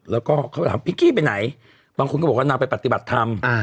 แล้วก็เขาถามพิกกี้ไปไหนบางคนก็บอกว่านางไปปฏิบัติธรรม